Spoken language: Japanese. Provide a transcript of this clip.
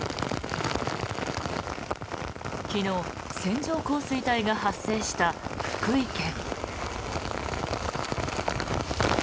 昨日、線状降水帯が発生した福井県。